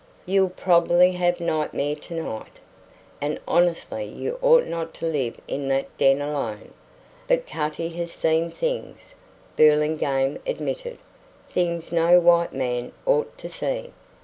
"You'll probably have nightmare to night. And honestly you ought not to live in that den alone. But Cutty has seen things," Burlingame admitted; "things no white man ought to see.